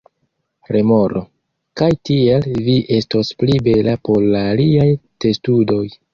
Remoro: "Kaj tiel vi estos pli bela por la aliaj testudoj."